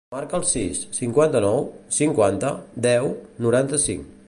Marca el sis, cinquanta-nou, cinquanta, deu, noranta-cinc.